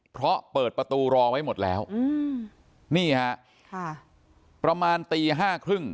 เพราะเปิดประตูรอไว้หมดแล้วอืมนี่ฮะค่ะประมาณตีห้าครึ่ง